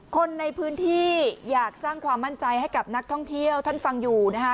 คนในพื้นที่อยากสร้างความมั่นใจให้กับนักท่องเที่ยวท่านฟังอยู่นะคะ